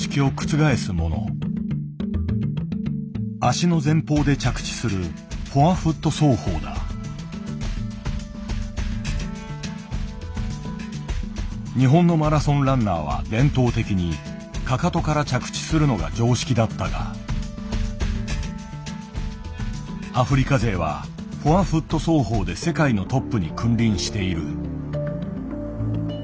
足の前方で着地する日本のマラソンランナーは伝統的にかかとから着地するのが常識だったがアフリカ勢はフォアフット走法で世界のトップに君臨している。